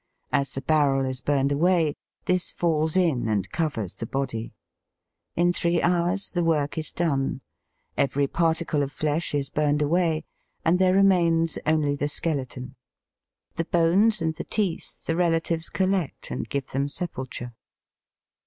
As the barrel is burned away this falls in and covers the body. In three hours the work is done. Every particle of flesh is burned away, and there remains only the skeleton. Digitized by VjOOQIC 10 EAST BY WESl?. The bones and the teeth the relatives collect and give them sepulture.